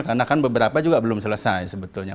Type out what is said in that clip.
karena kan beberapa juga belum selesai sebetulnya